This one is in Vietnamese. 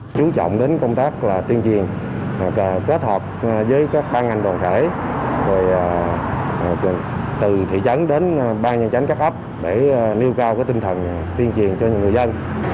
chú trọng đến công tác là tuyên truyền kết hợp với các ban ngành đoàn thể từ thị trấn đến ban nhân chánh các ấp để nêu cao tinh thần tuyên truyền cho người dân